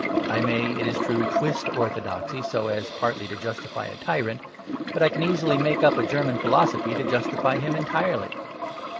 I may, it is true, twist orthodoxy so as partly to justify a tyrant. But I can easily make up a German philosophy to justify him entirely.